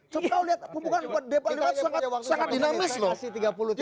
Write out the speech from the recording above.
coba kau lihat pembukaan ud empat puluh lima sangat dinamis loh